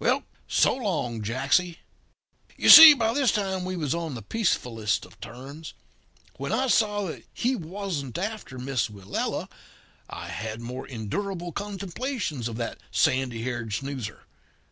Well, so long, Jacksy.' "You see, by this time we were on the peacefullest of terms. When I saw that he wasn't after Miss Willella, I had more endurable contemplations of that sandy haired snoozer.